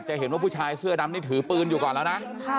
เห็นว่าผู้ชายเสื้อดำนี่ถือปืนอยู่ก่อนแล้วนะ